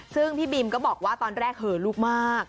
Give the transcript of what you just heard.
ซึ่งพี่บิมก็บอกว่าตอนแรกเหอลูกมาก